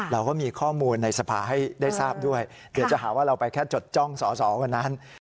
เราก็มีข้อมูลในสภาให้ได้ทราบด้วยเดี๋ยวจะหาว่าเราไปแค่จดจ้องสอสอวันนั้น